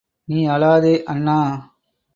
நீ அழாதே, அண்ணா.